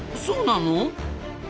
そうなの！？